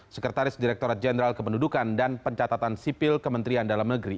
sekretaris direkturat jenderal kependudukan dan pencatatan sipil kementerian dalam negeri